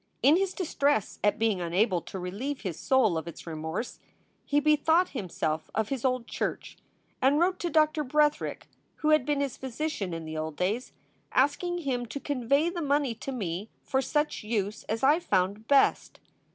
In his distress at being unable to relieve his soul of its remorse, he bethought himself of his old church, and wrote to Doctor Breth erick, who had been his physician in the old days, asking him to convey the money to me for such use as I found best.